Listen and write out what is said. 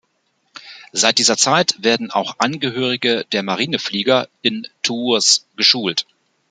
Seit dieser Zeit werden auch Angehörige der Marineflieger in Tours geschult.